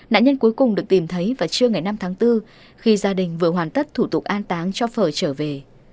nạn nhân cuối cùng được tìm thấy vào trưa ngày năm tháng bốn khi gia đình vừa hoàn tất thủ tục an táng cho phở trở về